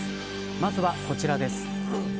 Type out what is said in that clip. まずは、こちらです。